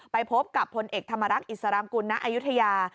ไปพบกับพลเอกธรรมรักษ์อิสรามกุลณอายุทยา